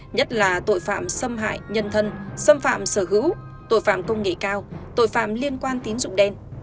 nhất là tội phạm xâm hại nhân thân xâm phạm sở hữu tội phạm công nghệ cao tội phạm liên quan tín dụng đen